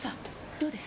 どうです？